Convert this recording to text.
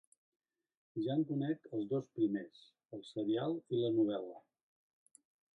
Ja en conec els dos primers, el serial i la novel·la.